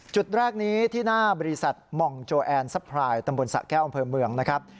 จุดแรกนี้ที่หน้าบริษัทหม่องโจแอนซัพพรายตำบลสะแก้วอำเภอเมืองนะครับ